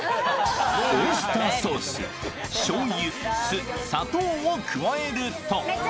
オイスターソース、しょうゆ、酢、砂糖を加えると。